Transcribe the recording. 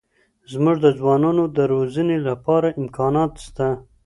زموږ د ځوانانو د روزنې لپاره امکانات سته.